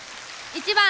１番